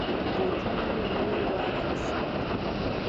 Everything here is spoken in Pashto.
بوټونه می نور واخيست.